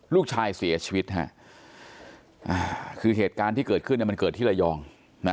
ลูกชายเสียชีวิตฮะคือเหตุการณ์ที่เกิดขึ้นมันเกิดที่ระยองนะ